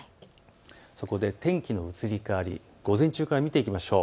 そこで天気の移り変わり、午前中から見ていきましょう。